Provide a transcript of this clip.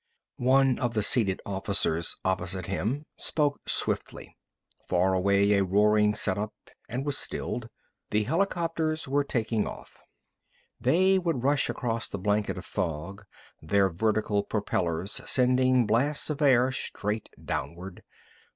One of the seated officers opposite him spoke swiftly. Far away a roaring set up and was stilled. The helicopters were taking off. They would rush across the blanket of fog, their vertical propellers sending blasts of air straight downward.